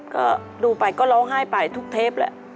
ก็ดูไปก็ร้องไห้ไปทุกเทปแหละ